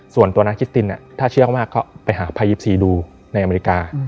ส่วนตัวน้าคิสตินพี่จริงถ้าเชื่อร้อยมากไปหากภาย๒๔ดูในอเมริกา